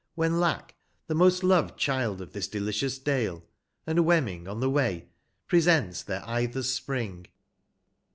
When Imc the most lov'd child of this delicious iJalc, And Jfeininin;/ on the way, present theii eithcr's spring.